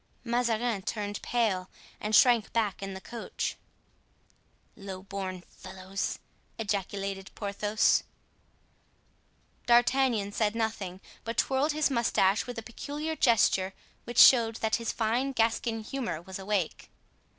Mazarin turned pale and shrank back in the coach. "Low born fellows!" ejaculated Porthos. D'Artagnan said nothing, but twirled his mustache with a peculiar gesture which showed that his fine Gascon humor was awake.